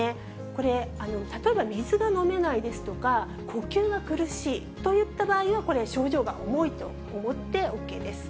これ、例えば水が飲めないですとか、呼吸が苦しいといった場合は、これ、症状が重いと思ってＯＫです。